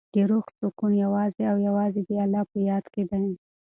د روح سکون یوازې او یوازې د الله په یاد کې دی.